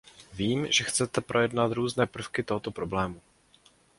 Vím, že chcete projednat různé prvky tohoto problému.